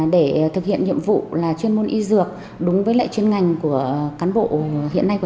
để thực hiện nhiệm vụ là chuyên môn y dược đúng với lệ chuyên ngành của cán bộ